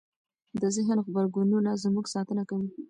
د ذهن غبرګونونه زموږ ساتنه کوي.